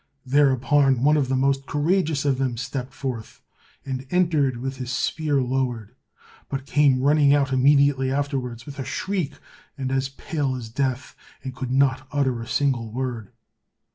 Thereupon one of the most courageous of them stepped forth and entered with his spear lowered, but came running out immediately afterwards with a shriek and as pale as death, and could not utter a single word.